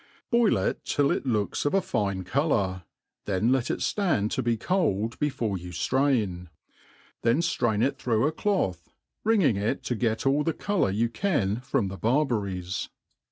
Boil it till it looks .of a fine co« Jour, then let it ft/ind to be cold before ycu drain ; then flrain it through a cloth, wringing it to get ail the colour you can from the barberries.